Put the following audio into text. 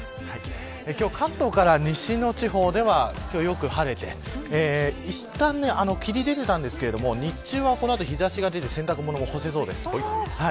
今日、関東から西の地方ではよく晴れていったん霧が出ていたんですが日中は、この後日差しが出て洗濯物も干せそうです。